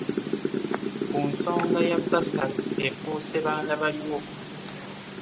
Ku nsonga ya bbasale efuuse baana baliwo